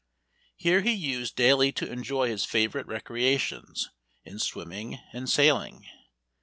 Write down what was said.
Here he used daily to enjoy his favorite recreations in swimming and sailing.